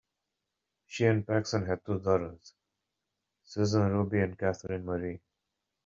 She and Paxon have two daughters, Susan Ruby and Katherine Marie.